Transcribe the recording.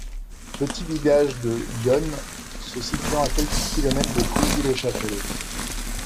Petit village de Yonne se situant à quelque kilomètre de Cruzy-le-châtel.